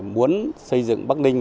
muốn xây dựng bắc ninh